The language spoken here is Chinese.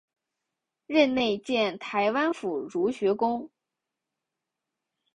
任内建台湾府儒学宫。